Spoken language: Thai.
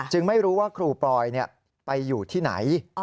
ไม่รู้ว่าครูปอยไปอยู่ที่ไหน